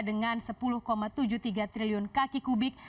dengan sepuluh tujuh puluh tiga triliun kaki kubik